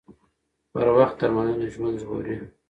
پر وخت درملنه ژوند ژغوري